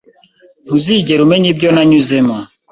Ntuzigera umenya ibyo nanyuzemo